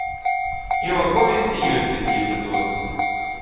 І ў аповесці ёсць такі эпізод.